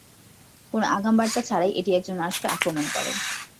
কোনো আগাম বার্তা ছাড়াই এটি একজন মানুষকে আক্রমণ করে।